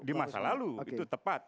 di masa lalu itu tepat